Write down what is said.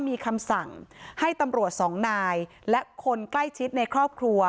มีคำสั่งให้ตำรวจสองนายและคนใกล้ชิดในครอบครัว